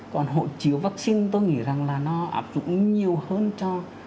còn hộ chiếu vaccine tôi nghĩ rằng là nó áp dụng nhiều hơn cho